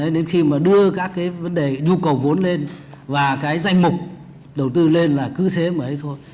đến khi đưa các vấn đề nhu cầu vốn lên và danh mục đầu tư lên là cứ thế mới thôi